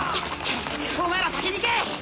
お前ら先に行け。